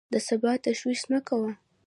د سبا تشویش مه کوه!